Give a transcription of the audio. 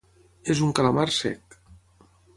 És un calamar cec.